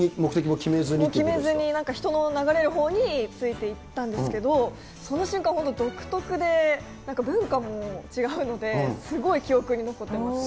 決めずに、なんか人の流れる方についていったんですけど、その瞬間、本当独特で、なんか文化も違うので、すごい記憶に残ってますね。